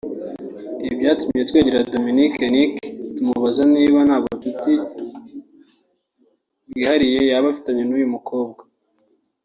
Ibi byatumye Twegera Dominic Nick tumubaza niba nta bucuti bwihariye yaba afitanye n’uyu mukobwa